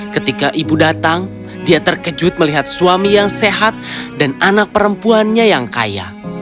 ketika ibu datang dia terkejut melihat suami yang sehat dan anak perempuannya yang kaya